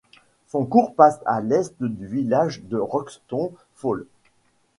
Son cours passe à l'est du village de Roxton Falls.